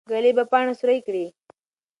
ږلۍ به پاڼه سوری کړي.